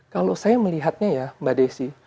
kalau saya melihatnya ya mbak desi